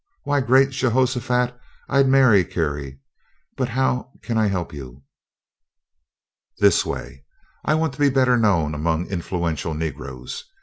Why, great Jehoshaphat! I'd marry Carrie but how can I help you?" "This way. I want to be better known among influential Negroes.